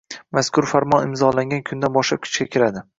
Mazkur Farmon imzolangan kundan boshlab kuchga kiradi